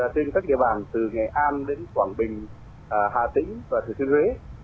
trên các địa bàn từ nghệ an đến quảng bình hà tĩnh và thứ thứ huế